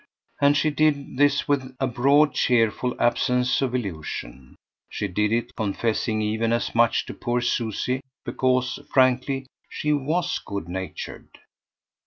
And she did this with a broad cheerful absence of illusion; she did it confessing even as much to poor Susie because, frankly, she WAS good natured.